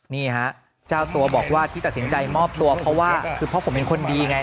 นี่ฮะเจ้าตัวบอกว่าที่ตัดสินใจมอบตัวเพราะว่าคือเพราะผมเป็นคนดีไง